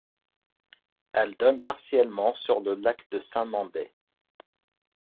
Elle donne partiellement sur le lac de Saint-Mandé.